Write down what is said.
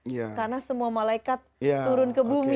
karena semua malaikat turun ke bumi